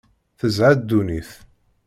Tezha ddunit.